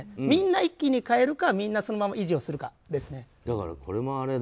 みんな一気に変えるかみんなそのまま維持をするかですね。